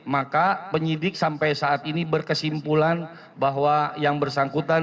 maka penyidik sampai saat ini berkesimpulan bahwa yang bersangkutan